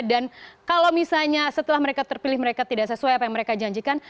dan kalau misalnya setelah mereka terpilih mereka tidak sesuai apa yang mereka janjikan